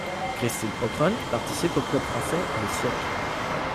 Christine Ockrent participe au club français Le Siècle.